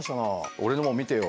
俺のも見てよ。